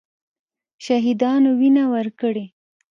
شهیدانو وینه ورکړې.